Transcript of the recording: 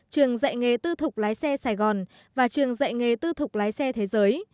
trường dạy nghề tư thục lái xe sài gòn và trường dạy nghề tư thục lái xe thế giới